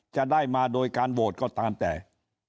จะได้มาโดยการโหวตก็ตามแต่